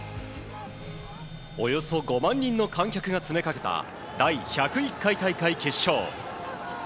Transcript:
およそ５万人の観客が詰めかけた第１０１回大会、決勝。